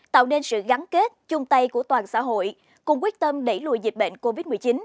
tạo nên sự gắn kết chung tay của toàn xã hội cùng quyết tâm đẩy lùi dịch bệnh covid một mươi chín